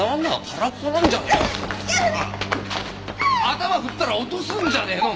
頭振ったら音すんじゃねえの？